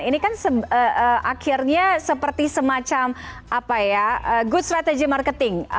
ini kan akhirnya seperti semacam good strategy marketing